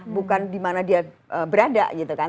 bukan dimana dia berada gitu kan